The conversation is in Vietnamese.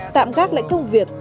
tạm gác lãnh công việc